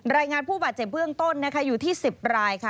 รายงานผู้บาดเจ็บเบื้องต้นนะคะอยู่ที่๑๐รายค่ะ